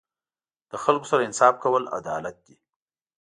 له خلکو سره انصاف کول عدالت دی.